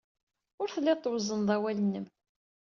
Ur telliḍ twezzneḍ awal-nnem.